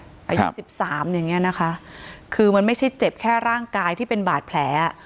อายุสิบสามอย่างเงี้ยนะคะคือมันไม่ใช่เจ็บแค่ร่างกายที่เป็นบาดแผล